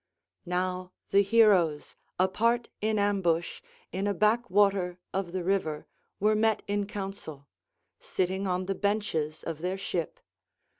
Now the heroes apart in ambush, in a back water of the river, were met in council, sitting on the benches of their ship.